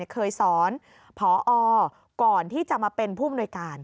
เคยสอนพอก่อนที่จะมาเป็นผู้อำนวยการ